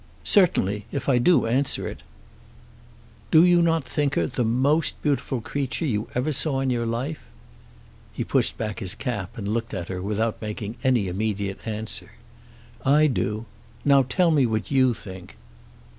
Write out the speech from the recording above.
"Certainly; if I do answer it." "Do you not think her the most beautiful creature you ever saw in your life?" He pushed back his cap and looked at her without making any immediate answer. "I do. Now tell me what you think."